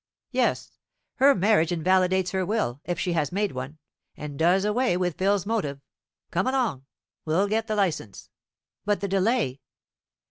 "Yes; her marriage invalidates her will, if she has made one, and does away with Phil's motive. Come along; we'll get the licence." "But the delay?"